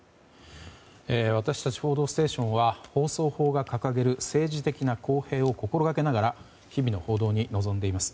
私たち「報道ステーション」は放送法が掲げる政治的な公平を心掛けながら日々の報道に臨んでいます。